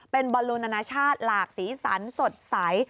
เป็นบอลลูนานาชาติหลากสีสันสดใส